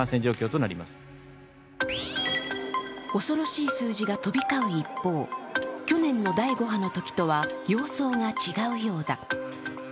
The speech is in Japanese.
恐ろしい数字が飛び交う一方、去年の第５波のときとは様相が違うようだ。